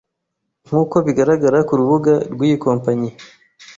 nk'uko bigaragara ku rubuga rw'iyi kompanyi